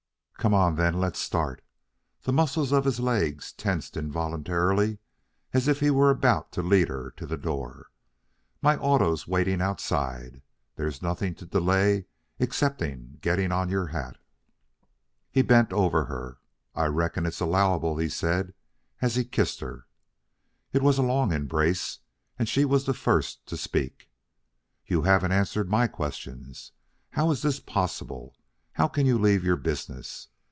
"Come on, then, let's start." The muscles of his legs tensed involuntarily as if he were about to lead her to the door. "My auto's waiting outside. There's nothing to delay excepting getting on your hat." He bent over her. "I reckon it's allowable," he said, as he kissed her. It was a long embrace, and she was the first to speak. "You haven't answered my questions. How is this possible? How can you leave your business?